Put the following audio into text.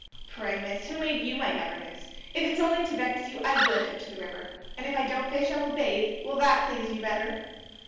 "Pray, miss, who made you my governess? If it's only to vex you, I will go to the river if I don't fish I will bathe. Will that please you better?"